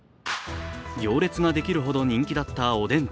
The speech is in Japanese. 行列ができるほど人気だったおでん店。